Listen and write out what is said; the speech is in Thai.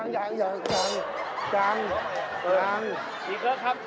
หวัดดีครับครับ